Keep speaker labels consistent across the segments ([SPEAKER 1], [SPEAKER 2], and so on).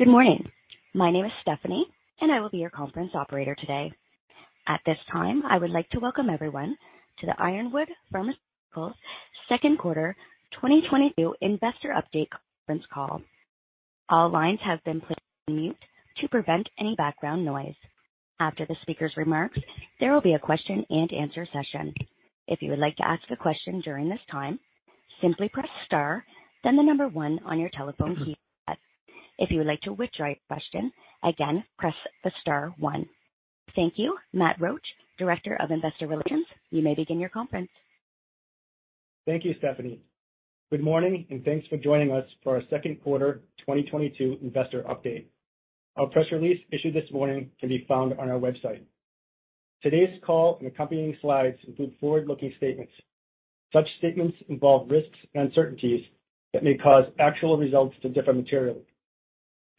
[SPEAKER 1] Good morning. My name is Stephanie, and I will be your conference operator today. At this time, I would like to welcome everyone to the Ironwood Pharmaceuticals Second Quarter 2022 Investor Update conference call. All lines have been placed on mute to prevent any background noise. After the speaker's remarks, there will be a question-and-answer session. If you would like to ask a question during this time, simply press star, then the number one on your telephone keypad. If you would like to withdraw your question, again, press the star one. Thank you. Matt Roache, Director of Investor Relations, you may begin your conference.
[SPEAKER 2] Thank you, Stephanie. Good morning, and thanks for joining us for our second quarter 2022 investor update. Our press release issued this morning can be found on our website. Today's call and accompanying slides include forward-looking statements. Such statements involve risks and uncertainties that may cause actual results to differ materially. A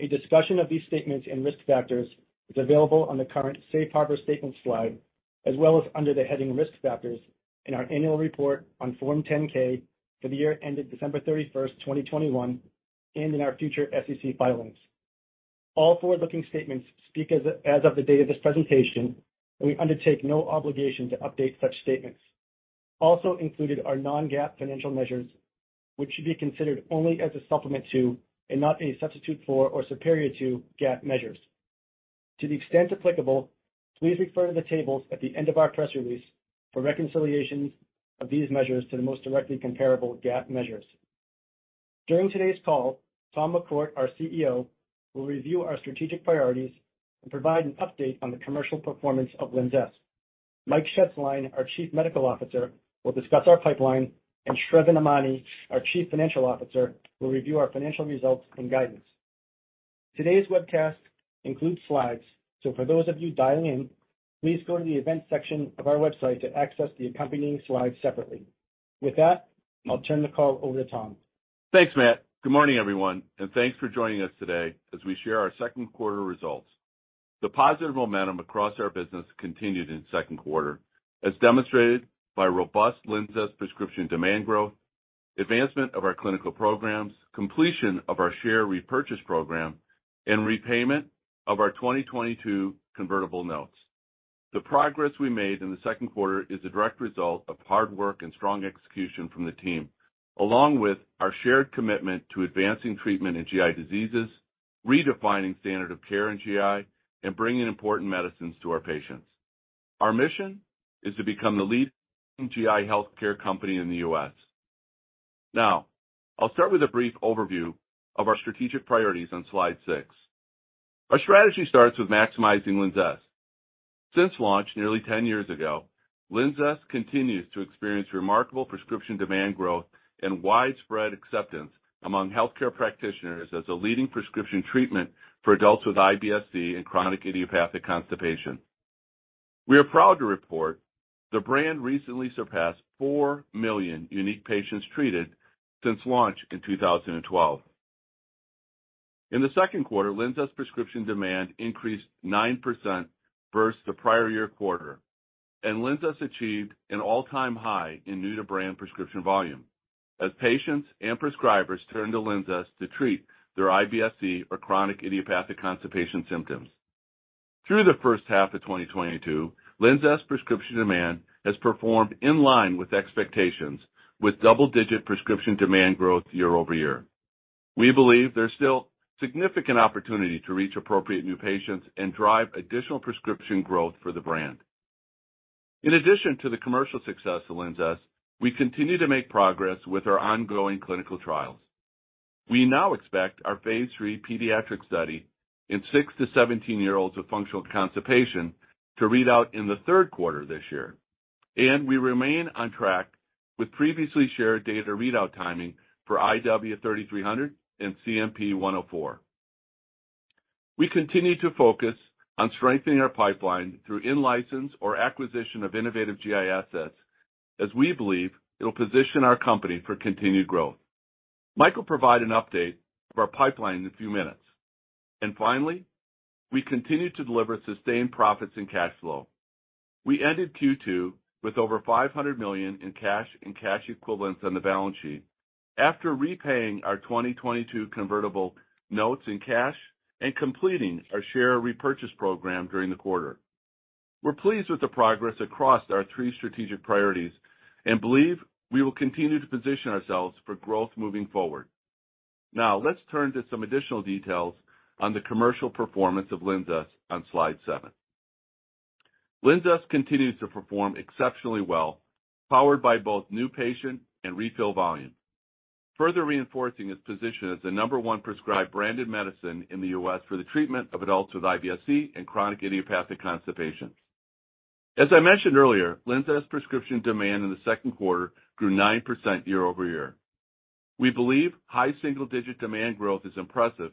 [SPEAKER 2] discussion of these statements and risk factors is available on the current safe harbor statement slide, as well as under the heading Risk Factors in our Annual Report on Form 10-K for the year ended December 31, 2021, and in our future SEC filings. All forward-looking statements speak as of the date of this presentation, and we undertake no obligation to update such statements. Also included are non-GAAP financial measures, which should be considered only as a supplement to and not a substitute for or superior to GAAP measures. To the extent applicable, please refer to the tables at the end of our press release for reconciliations of these measures to the most directly comparable GAAP measures. During today's call, Tom McCourt, our CEO, will review our strategic priorities and provide an update on the commercial performance of Linzess. Mike Shetzline, our Chief Medical Officer, will discuss our pipeline, and Sravan Emany, our Chief Financial Officer, will review our financial results and guidance. Today's webcast includes slides, so for those of you dialing in, please go to the events section of our website to access the accompanying slides separately. With that, I'll turn the call over to Tom.
[SPEAKER 3] Thanks, Matt. Good morning, everyone, and thanks for joining us today as we share our second quarter results. The positive momentum across our business continued in second quarter as demonstrated by robust Linzess prescription demand growth, advancement of our clinical programs, completion of our share repurchase program, and repayment of our 2022 convertible notes. The progress we made in the second quarter is a direct result of hard work and strong execution from the team, along with our shared commitment to advancing treatment in GI diseases, redefining standard of care in GI, and bringing important medicines to our patients. Our mission is to become the leading GI healthcare company in the U.S. Now, I'll start with a brief overview of our strategic priorities on slide six. Our strategy starts with maximizing Linzess. Since launch nearly 10 years ago, Linzess continues to experience remarkable prescription demand growth and widespread acceptance among healthcare practitioners as a leading prescription treatment for adults with IBS-C and chronic idiopathic constipation. We are proud to report the brand recently surpassed four million unique patients treated since launch in 2012. In the second quarter, Linzess prescription demand increased 9% versus the prior year quarter, and Linzess achieved an all-time high in new-to-brand prescription volume as patients and prescribers turned to Linzess to treat their IBS-C or chronic idiopathic constipation symptoms. Through the first half of 2022, Linzess prescription demand has performed in line with expectations with double-digit prescription demand growth year-over-year. We believe there's still significant opportunity to reach appropriate new patients and drive additional prescription growth for the brand. In addition to the commercial success of Linzess, we continue to make progress with our ongoing clinical trials. We now expect our phase 3 pediatric study in six-17-year-olds with functional constipation to read out in the third quarter this year, and we remain on track with previously shared data readout timing for IW-3300 and CNP-104. We continue to focus on strengthening our pipeline through in-license or acquisition of innovative GI assets, as we believe it'll position our company for continued growth. Mike will provide an update of our pipeline in a few minutes. Finally, we continue to deliver sustained profits and cash flow. We ended Q2 with over $500 million in cash and cash equivalents on the balance sheet after repaying our 2022 convertible notes in cash and completing our share repurchase program during the quarter. We're pleased with the progress across our three strategic priorities and believe we will continue to position ourselves for growth moving forward. Now, let's turn to some additional details on the commercial performance of Linzess on slide seven. Linzess continues to perform exceptionally well, powered by both new patient and refill volume, further reinforcing its position as the number one prescribed branded medicine in the U.S. for the treatment of adults with IBS-C and chronic idiopathic constipation. As I mentioned earlier, Linzess prescription demand in the second quarter grew 9% year-over-year. We believe high single-digit demand growth is impressive,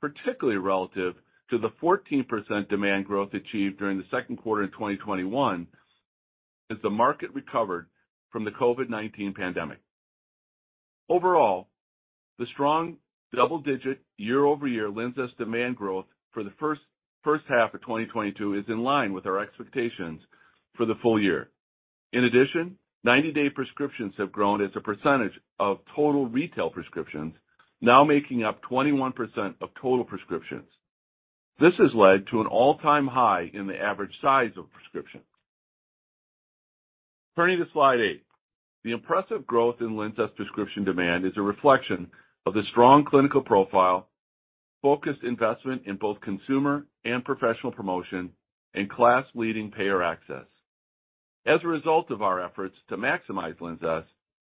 [SPEAKER 3] particularly relative to the 14% demand growth achieved during the second quarter in 2021 as the market recovered from the COVID-19 pandemic. Overall, the strong double-digit year-over-year Linzess demand growth for the first half of 2022 is in line with our expectations for the full year. In addition, 90-day prescriptions have grown as a percentage of total retail prescriptions, now making up 21% of total prescriptions. This has led to an all-time high in the average size of prescription. Turning to slide eight. The impressive growth in Linzess prescription demand is a reflection of the strong clinical profile, focused investment in both consumer and professional promotion, and class-leading payer access. As a result of our efforts to maximize Linzess,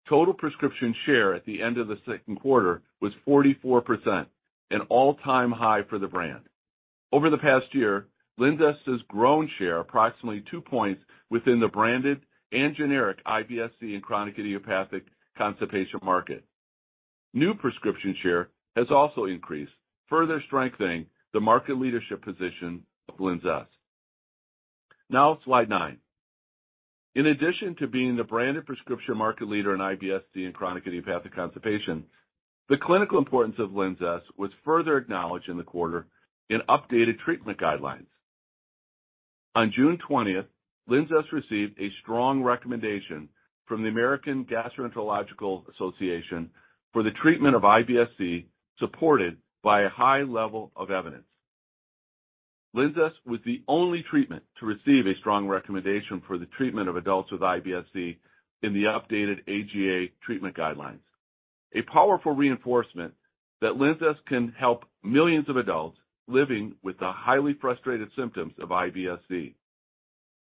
[SPEAKER 3] total prescription share at the end of the second quarter was 44%, an all-time high for the brand. Over the past year, Linzess has grown share approximately two points within the branded and generic IBS-C and chronic idiopathic constipation market. New prescription share has also increased, further strengthening the market leadership position of Linzess. Now slide nine. In addition to being the branded prescription market leader in IBS-C and chronic idiopathic constipation, the clinical importance of Linzess was further acknowledged in the quarter in updated treatment guidelines. On June 20th, Linzess received a strong recommendation from the American Gastroenterological Association for the treatment of IBS-C, supported by a high level of evidence. Linzess was the only treatment to receive a strong recommendation for the treatment of adults with IBS-C in the updated AGA treatment guidelines. A powerful reinforcement that Linzess can help millions of adults living with the highly frustrated symptoms of IBS-C.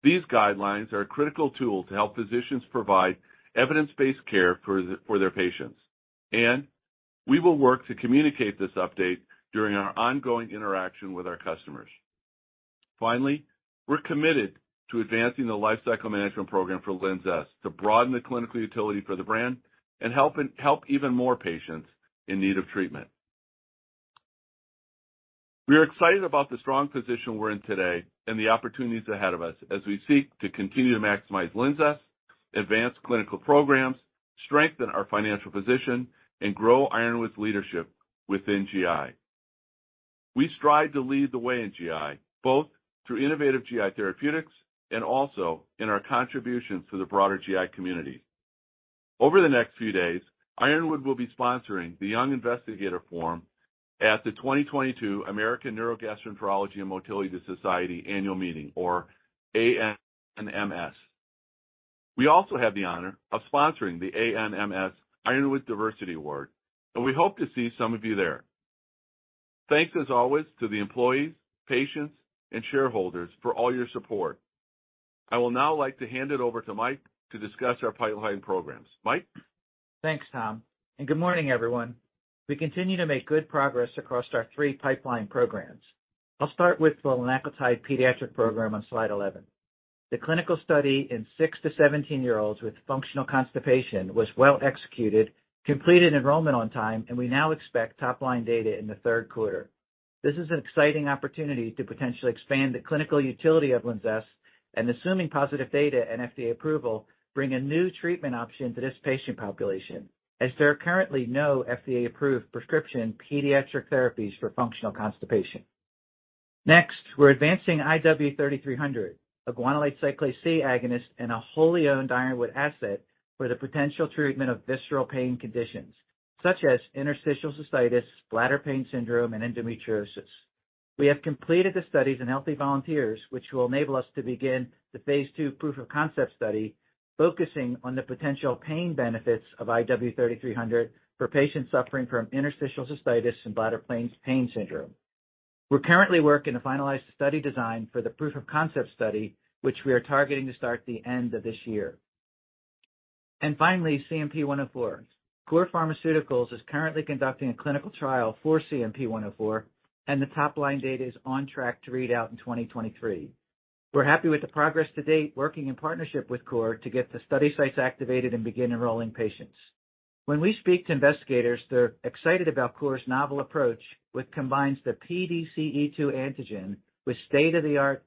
[SPEAKER 3] These guidelines are a critical tool to help physicians provide evidence-based care for their patients, and we will work to communicate this update during our ongoing interaction with our customers. Finally, we're committed to advancing the lifecycle management program for Linzess to broaden the clinical utility for the brand and help even more patients in need of treatment. We are excited about the strong position we're in today and the opportunities ahead of us as we seek to continue to maximize Linzess, advance clinical programs, strengthen our financial position, and grow Ironwood's leadership within GI. We strive to lead the way in GI, both through innovative GI therapeutics and also in our contributions to the broader GI community. Over the next few days, Ironwood will be sponsoring the Young Investigator Forum at the 2022 American Neurogastroenterology and Motility Society Annual Meeting, or ANMS. We also have the honor of sponsoring the ANMS Ironwood Diversity Award, and we hope to see some of you there. Thanks as always to the employees, patients, and shareholders for all your support. I will now like to hand it over to Mike to discuss our pipeline programs. Mike?
[SPEAKER 4] Thanks, Tom, and good morning, everyone. We continue to make good progress across our three pipeline programs. I'll start with the linaclotide pediatric program on slide 11. The clinical study in six-17-year-olds with functional constipation was well-executed, completed enrollment on time, and we now expect top-line data in the third quarter. This is an exciting opportunity to potentially expand the clinical utility of Linzess, and assuming positive data and FDA approval, bring a new treatment option to this patient population, as there are currently no FDA-approved prescription pediatric therapies for functional constipation. Next, we're advancing IW-3300, a guanylate cyclase-C agonist and a wholly owned Ironwood asset for the potential treatment of visceral pain conditions such as interstitial cystitis, bladder pain syndrome, and endometriosis. We have completed the studies in healthy volunteers, which will enable us to begin the phase 2 proof-of-concept study, focusing on the potential pain benefits of IW-3300 for patients suffering from interstitial cystitis and bladder pain syndrome. We're currently working to finalize the study design for the proof-of-concept study, which we are targeting to start the end of this year. Finally, CNP-104. COUR Pharmaceuticals is currently conducting a clinical trial for CNP-104, and the top-line data is on track to read out in 2023. We're happy with the progress to date, working in partnership with COUR to get the study sites activated and begin enrolling patients. When we speak to investigators, they're excited about COUR's novel approach, which combines the PDC-E2 antigen with state-of-the-art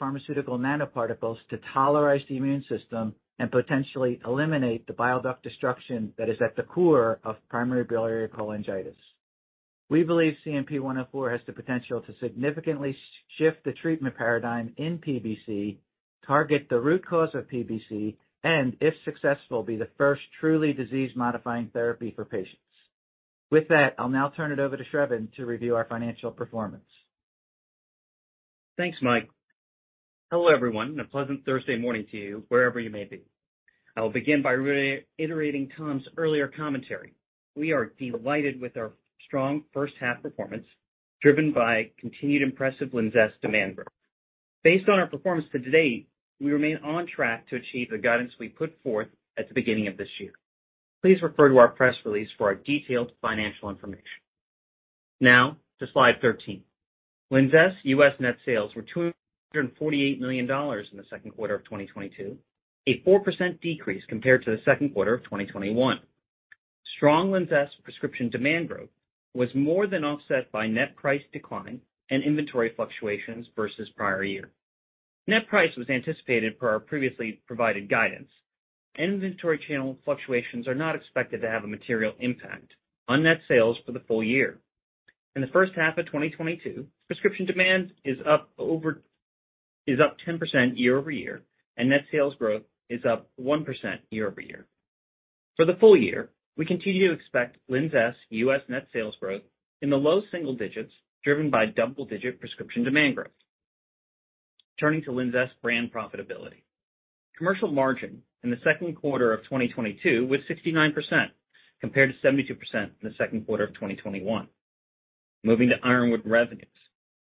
[SPEAKER 4] pharmaceutical nanoparticles to tolerize the immune system and potentially eliminate the bile duct destruction that is at the core of primary biliary cholangitis. We believe CNP-104 has the potential to significantly shift the treatment paradigm in PBC, target the root cause of PBC, and if successful, be the first truly disease-modifying therapy for patients. With that, I'll now turn it over to Sravan to review our financial performance.
[SPEAKER 5] Thanks, Mike. Hello, everyone, and a pleasant Thursday morning to you, wherever you may be. I will begin by re-iterating Tom's earlier commentary. We are delighted with our strong first half performance, driven by continued impressive Linzess demand growth. Based on our performance to date, we remain on track to achieve the guidance we put forth at the beginning of this year. Please refer to our press release for our detailed financial information. Now to slide 13. Linzess U.S. net sales were $248 million in the second quarter of 2022, a 4% decrease compared to the second quarter of 2021. Strong Linzess prescription demand growth was more than offset by net price decline and inventory fluctuations versus prior year. Net price was anticipated per our previously provided guidance. Inventory channel fluctuations are not expected to have a material impact on net sales for the full year. In the first half of 2022, prescription demand is up 10% year-over-year, and net sales growth is up 1% year-over-year. For the full year, we continue to expect Linzess U.S. net sales growth in the low single digits, driven by double-digit prescription demand growth. Turning to Linzess brand profitability. Commercial margin in the second quarter of 2022 was 69%, compared to 72% in the second quarter of 2021. Moving to Ironwood revenues.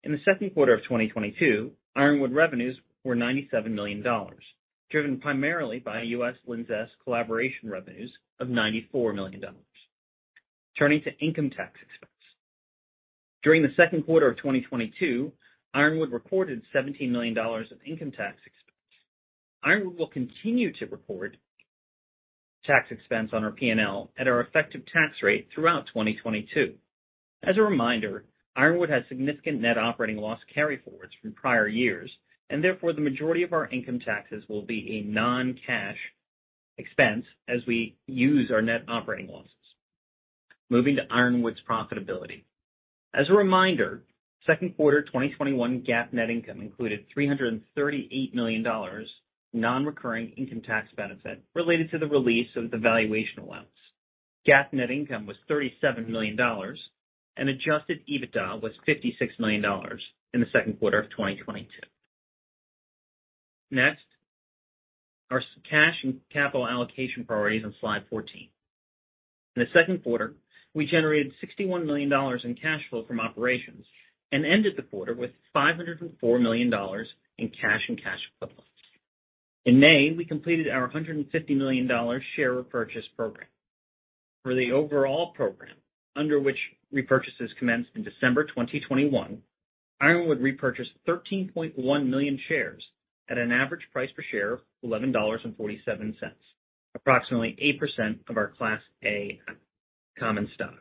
[SPEAKER 5] In the second quarter of 2022, Ironwood revenues were $97 million, driven primarily by U.S. Linzess collaboration revenues of $94 million. Turning to income tax expense. During the second quarter of 2022, Ironwood recorded $17 million of income tax expense. Ironwood will continue to report tax expense on our P&L at our effective tax rate throughout 2022. As a reminder, Ironwood has significant net operating loss carryforwards from prior years, and therefore the majority of our income taxes will be a non-cash expense as we use our net operating losses. Moving to Ironwood's profitability. As a reminder, second quarter 2021 GAAP net income included $338 million non-recurring income tax benefit related to the release of the valuation allowance. GAAP net income was $37 million and adjusted EBITDA was $56 million in the second quarter of 2022. Next, our cash and capital allocation priorities on slide 14. In the second quarter, we generated $61 million in cash flow from operations and ended the quarter with $504 million in cash and cash equivalents. In May, we completed our $150 million share repurchase program. For the overall program, under which repurchases commenced in December 2021, Ironwood repurchased 13.1 million shares at an average price per share of $11.47, approximately 8% of our Class A common stock.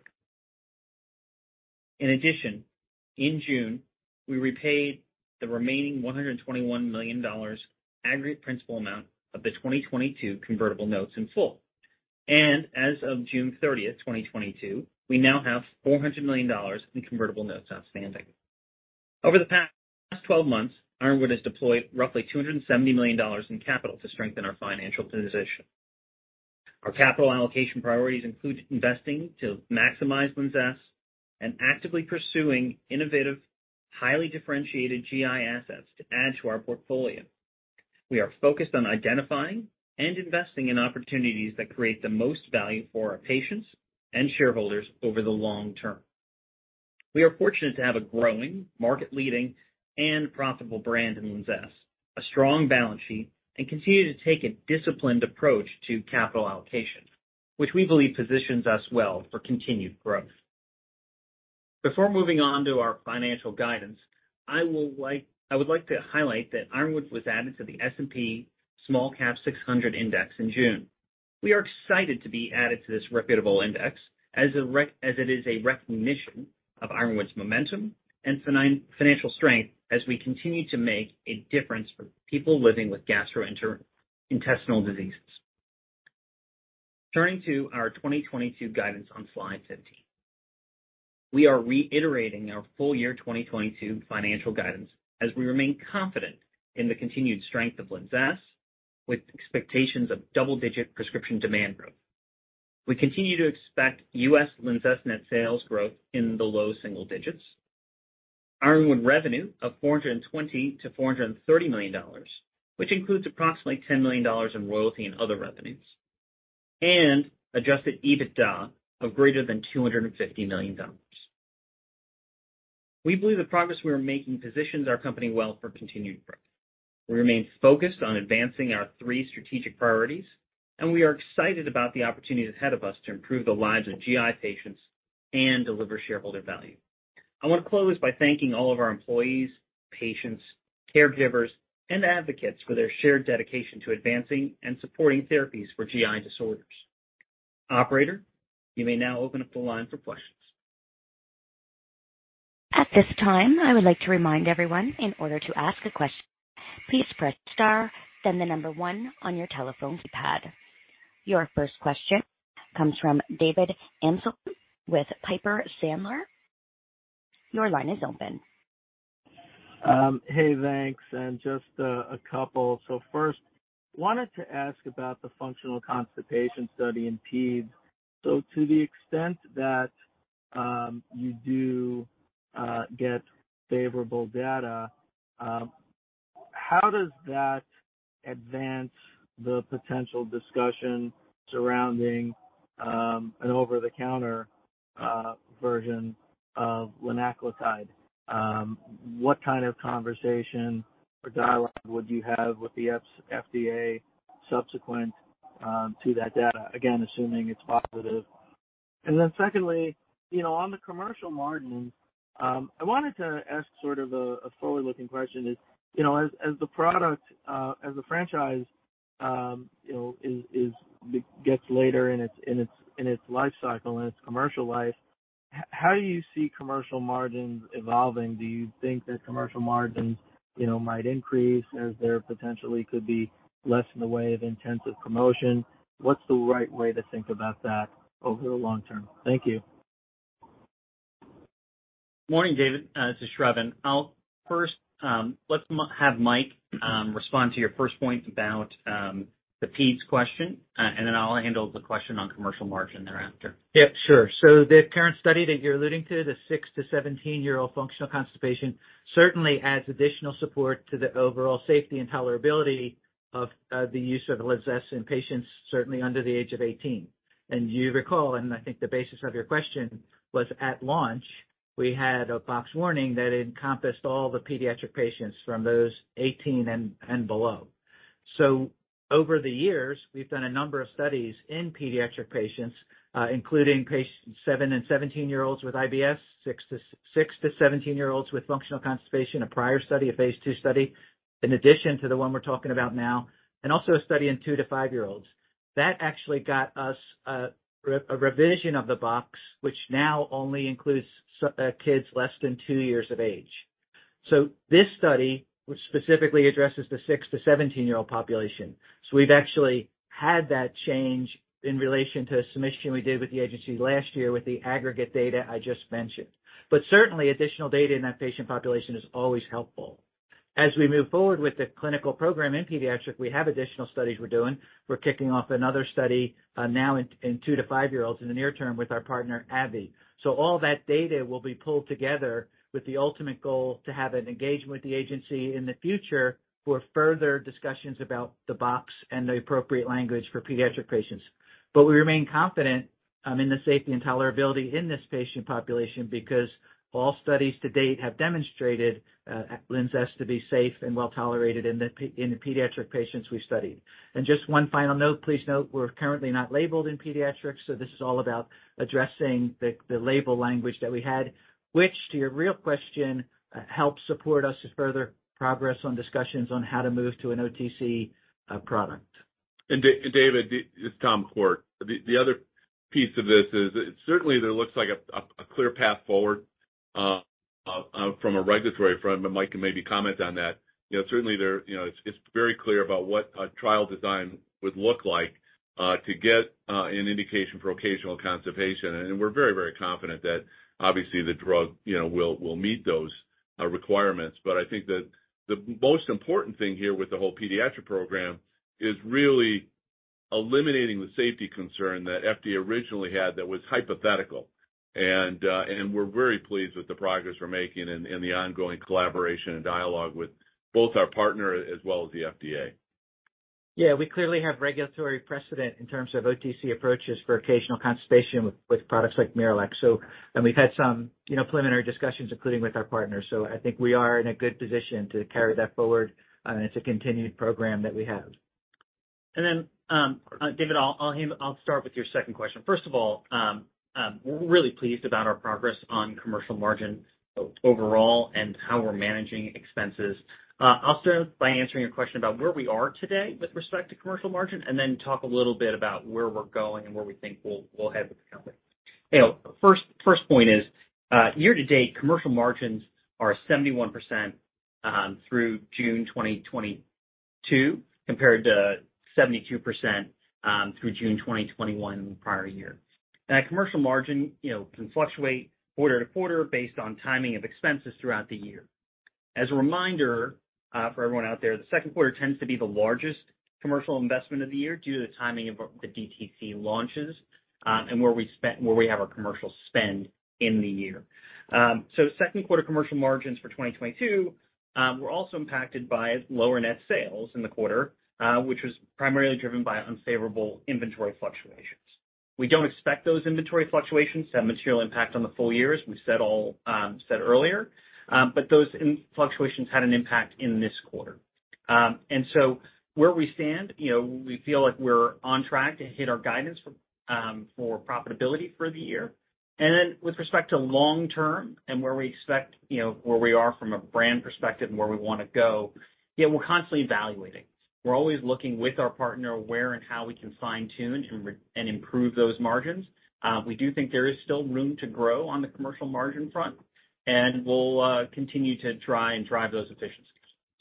[SPEAKER 5] In addition, in June, we repaid the remaining $121 million aggregate principal amount of the 2022 convertible notes in full. As of June 30, 2022, we now have $400 million in convertible notes outstanding. Over the past 12 months, Ironwood has deployed roughly $270 million in capital to strengthen our financial position. Our capital allocation priorities include investing to maximize Linzess and actively pursuing innovative, highly differentiated GI assets to add to our portfolio. We are focused on identifying and investing in opportunities that create the most value for our patients and shareholders over the long term. We are fortunate to have a growing market-leading and profitable brand in Linzess, a strong balance sheet, and continue to take a disciplined approach to capital allocation, which we believe positions us well for continued growth. Before moving on to our financial guidance, I would like to highlight that Ironwood was added to the S&P SmallCap 600 index in June. We are excited to be added to this reputable index as it is a recognition of Ironwood's momentum and financial strength as we continue to make a difference for people living with gastrointestinal diseases. Turning to our 2022 guidance on slide 17. We are reiterating our full year 2022 financial guidance as we remain confident in the continued strength of Linzess, with expectations of double-digit prescription demand growth. We continue to expect U.S. Linzess net sales growth in the low single digits, Ironwood revenue of $420 million-$430 million, which includes approximately $10 million in royalty and other revenues, and adjusted EBITDA of greater than $250 million. We believe the progress we are making positions our company well for continued growth. We remain focused on advancing our three strategic priorities, and we are excited about the opportunities ahead of us to improve the lives of GI patients and deliver shareholder value. I want to close by thanking all of our employees, patients, caregivers, and advocates for their shared dedication to advancing and supporting therapies for GI disorders. Operator, you may now open up the line for questions.
[SPEAKER 1] At this time, I would like to remind everyone in order to ask a question, please press star then the number one on your telephone keypad. Your first question comes from David Amsellem with Piper Sandler. Your line is open.
[SPEAKER 6] Hey, thanks. Just a couple. First, wanted to ask about the functional constipation study in peds. To the extent that you do get favorable data, how does that advance the potential discussion surrounding an over-the-counter version of linaclotide? What kind of conversation or dialogue would you have with the FDA subsequent to that data? Again, assuming it's positive. Secondly, you know, on the commercial margins, I wanted to ask sort of a forward-looking question is, you know, as the franchise gets later in its life cycle and its commercial life, how do you see commercial margins evolving? Do you think that commercial margins, you know, might increase as there potentially could be less in the way of intensive promotion? What's the right way to think about that over the long term? Thank you.
[SPEAKER 5] Morning, David. This is Sravan. I'll first have Mike respond to your first point about the PBC question, and then I'll handle the question on commercial margin thereafter.
[SPEAKER 4] Yeah, sure. The current study that you're alluding to, the six-17-year-old functional constipation, certainly adds additional support to the overall safety and tolerability of the use of Linzess in patients certainly under the age of 18. You recall, and I think the basis of your question, was at launch, we had a boxed warning that encompassed all the pediatric patients from those 18 and below. Over the years, we've done a number of studies in pediatric patients, including patients seven-17-year-olds with IBS, six-17-year-olds with functional constipation, a prior study, a phase 2 study, in addition to the one we're talking about now, and also a study in two-five-year-olds. That actually got us a revision of the boxed warning, which now only includes kids less than two years of age. This study, which specifically addresses the six-17-year-old population. We've actually had that change in relation to a submission we did with the agency last year with the aggregate data I just mentioned. But certainly, additional data in that patient population is always helpful. As we move forward with the clinical program in pediatric, we have additional studies we're doing. We're kicking off another study, now in two-five-year-olds in the near term with our partner, AbbVie. All that data will be pulled together with the ultimate goal to have an engagement with the agency in the future for further discussions about the box and the appropriate language for pediatric patients. We remain confident in the safety and tolerability in this patient population because all studies to date have demonstrated Linzess to be safe and well-tolerated in the pediatric patients we studied. Just one final note, please note we're currently not labeled in pediatrics, so this is all about addressing the label language that we had, which, to your real question, helps support us to further progress on discussions on how to move to an OTC product.
[SPEAKER 3] David, it's Tom McCourt. The other piece of this is certainly there looks like a clear path forward from a regulatory front, but Mike can maybe comment on that. You know, certainly there, you know, it's very clear about what a trial design would look like to get an indication for occasional constipation. We're very, very confident that obviously the drug, you know, will meet those requirements. But I think that the most important thing here with the whole pediatric program is really eliminating the safety concern that FDA originally had that was hypothetical. We're very pleased with the progress we're making and the ongoing collaboration and dialogue with both our partner as well as the FDA.
[SPEAKER 4] Yeah, we clearly have regulatory precedent in terms of OTC approaches for occasional constipation with products like MiraLAX. We've had some, you know, preliminary discussions, including with our partners. I think we are in a good position to carry that forward as a continued program that we have.
[SPEAKER 5] David, I'll start with your second question. First of all, we're really pleased about our progress on commercial margins overall and how we're managing expenses. I'll start by answering your question about where we are today with respect to commercial margin, and then talk a little bit about where we're going and where we think we'll head with the company. You know, first point is, year to date, commercial margins are 71%, through June 2022, compared to 72%, through June 2021 the prior year. Our commercial margin, you know, can fluctuate quarter to quarter based on timing of expenses throughout the year. As a reminder, for everyone out there, the second quarter tends to be the largest commercial investment of the year due to the timing of the DTC launches, and where we have our commercial spend in the year. Second quarter commercial margins for 2022 were also impacted by lower net sales in the quarter, which was primarily driven by unfavorable inventory fluctuations. We don't expect those inventory fluctuations to have material impact on the full year, as we said earlier, but those fluctuations had an impact in this quarter. Where we stand, you know, we feel like we're on track to hit our guidance for profitability for the year. With respect to long term and where we expect, you know, where we are from a brand perspective and where we wanna go, yeah, we're constantly evaluating. We're always looking with our partner where and how we can fine-tune and improve those margins. We do think there is still room to grow on the commercial margin front, and we'll continue to try and drive those efficiencies.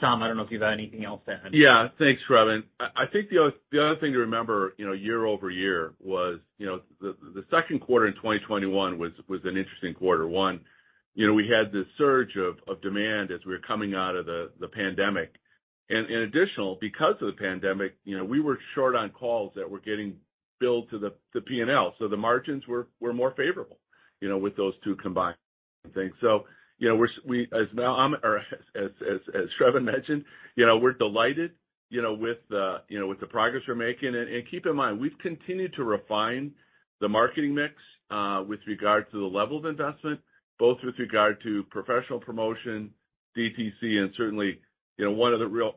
[SPEAKER 5] Tom, I don't know if you have anything else to add.
[SPEAKER 3] Yeah. Thanks, Sravan. I think the other thing to remember, you know, year-over-year was, you know, the second quarter in 2021 was an interesting quarter. One, you know, we had this surge of demand as we were coming out of the pandemic. In addition, because of the pandemic, you know, we were short on calls that were getting billed to the P&L, so the margins were more favorable, you know, with those two combined things. You know, we're seeing now, or as Sravan mentioned, you know, we're delighted, you know, with the progress we're making. Keep in mind, we've continued to refine the marketing mix with regard to the level of investment, both with regard to professional promotion, DTC. Certainly, you know, one of the real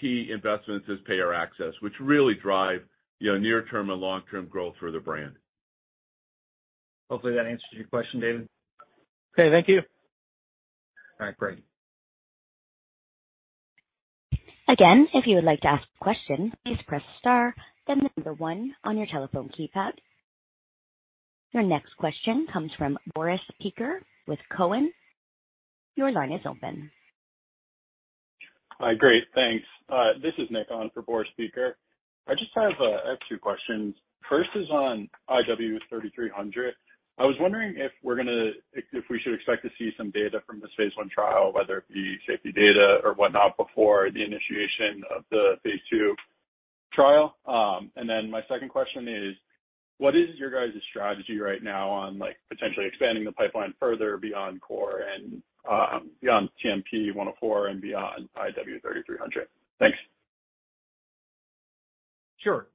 [SPEAKER 3] key investments is payer access, which really drive, you know, near term and long-term growth for the brand.
[SPEAKER 4] Hopefully, that answers your question, David.
[SPEAKER 6] Okay. Thank you.
[SPEAKER 4] All right. Great.
[SPEAKER 1] Again, if you would like to ask a question, please press star, then the number one on your telephone keypad. Your next question comes from Boris Peaker with Cowen. Your line is open.
[SPEAKER 7] Great. Thanks. This is Nick on for Boris Peaker. I have two questions. First is on IW3300. I was wondering if we should expect to see some data from this phase one trial, whether it be safety data or whatnot, before the initiation of the phase two trial. My second question is, what is your guys' strategy right now on, like, potentially expanding the pipeline further beyond COUR and, beyond CNP-104 and beyond IW3300? Thanks.
[SPEAKER 5] Sure.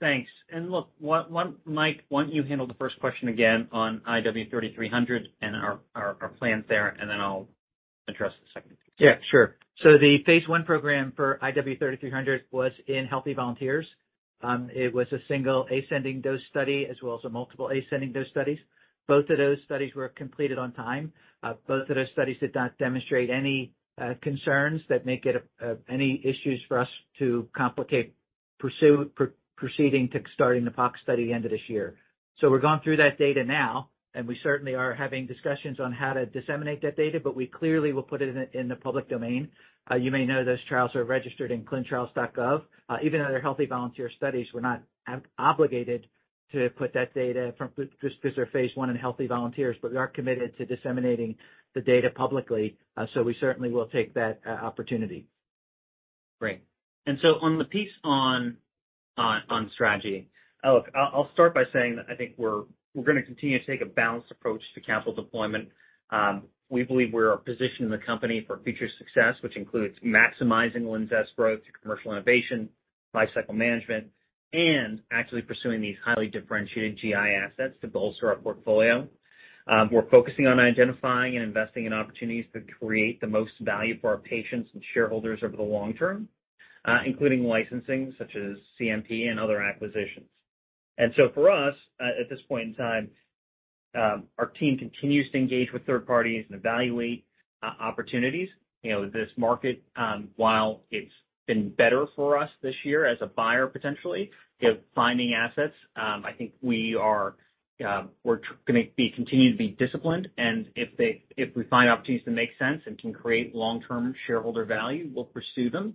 [SPEAKER 5] Thanks. Look, Mike, why don't you handle the first question again on IW-3300 and our plans there, and then I'll address the second piece.
[SPEAKER 4] Yeah, sure. The phase one program for IW3300 was in healthy volunteers. It was a single ascending dose study as well as a multiple ascending dose studies. Both of those studies were completed on time. Both of those studies did not demonstrate any concerns that may get any issues for us to complicate proceeding to starting the POC study at the end of this year. We're going through that data now, and we certainly are having discussions on how to disseminate that data, but we clearly will put it in the public domain. You may know those trials are registered in ClinicalTrials.gov. Even though they're healthy volunteer studies, we're not obligated to put that data out just 'cause they're phase one in healthy volunteers, but we are committed to disseminating the data publicly. We certainly will take that opportunity.
[SPEAKER 5] Great. On the piece on strategy. Look, I'll start by saying that I think we're gonna continue to take a balanced approach to capital deployment. We believe we're in a position in the company for future success, which includes maximizing Linzess growth commercial innovation, lifecycle management, and actively pursuing these highly differentiated GI assets to bolster our portfolio. We're focusing on identifying and investing in opportunities that create the most value for our patients and shareholders over the long term, including licensing such as CNP-104 and other acquisitions. For us, at this point in time, our team continues to engage with third parties and evaluate opportunities. You know, this market, while it's been better for us this year as a buyer, potentially, you know, finding assets, I think we're gonna continue to be disciplined. If we find opportunities that make sense and can create long-term shareholder value, we'll pursue them.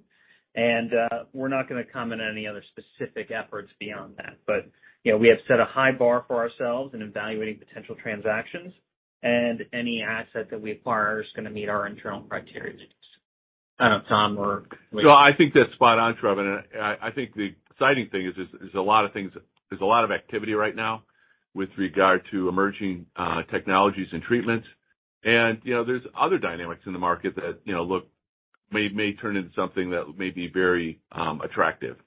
[SPEAKER 5] We're not gonna comment on any other specific efforts beyond that. You know, we have set a high bar for ourselves in evaluating potential transactions and any asset that we acquire is gonna meet our internal criteria. I don't know, Tom or-
[SPEAKER 3] I think that's spot on, Sravan. I think the exciting thing is there's a lot of activity right now with regard to emerging technologies and treatments. You know, there's other dynamics in the market that, you know, look, may turn into something that may be very attractive.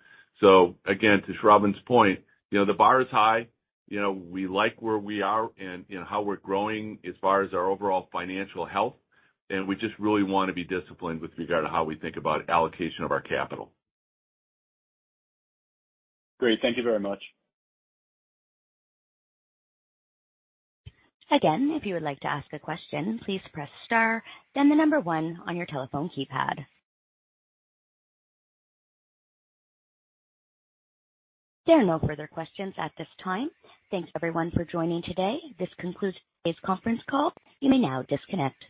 [SPEAKER 3] Again, to Sravan's point, you know, the bar is high. You know, we like where we are and, you know, how we're growing as far as our overall financial health. We just really wanna be disciplined with regard to how we think about allocation of our capital.
[SPEAKER 7] Great. Thank you very much.
[SPEAKER 1] Again, if you would like to ask a question, please press star, then the number one on your telephone keypad. There are no further questions at this time. Thanks, everyone, for joining today. This concludes today's conference call. You may now disconnect.